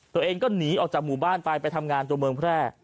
ตัวเองก็หนีออกจากหมู่บ้านไปไปทำงานตัวเมืองแพร่